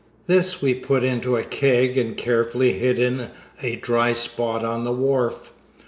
This we put into a keg and carefully hid in a dry spot on the wharf.